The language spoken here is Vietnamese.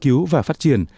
nghiên cứu và phát triển